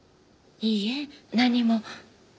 いいえ何も。